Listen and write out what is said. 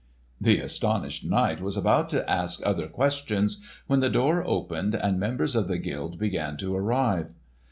The astonished knight was about to ask other questions when the door opened and members of the guild began to arrive.